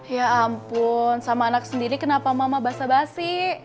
ya ampun sama anak sendiri kenapa mama basa basi